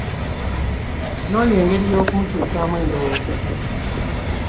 Noonya engeri y'okumukyusa mu ndowooza.